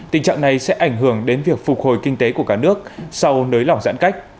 tình trạng này sẽ ảnh hưởng đến việc phục hồi kinh tế của cả nước sau nới lỏng giãn cách